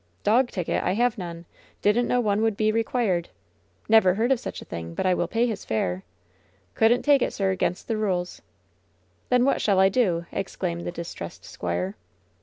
^T)og ticket ? I have none. Didn't know one would be required. Never heard of such a thing. But I will pay his fare." "Couldn't take it, sir. 'Gainst the rules." LOVE'S BITTEREST CUP 181 "Then what shall I do?^' exclaimed the distressed squire.